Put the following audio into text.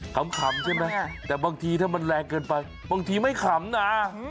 ขำใช่ไหมแต่บางทีถ้ามันแรงเกินไปบางทีไม่ขำนะ